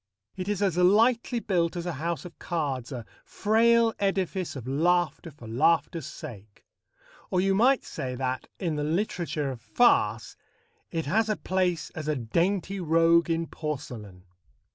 It is as lightly built as a house of cards, a frail edifice of laughter for laughter's sake. Or you might say that, in the literature of farce, it has a place as a "dainty rogue in porcelain."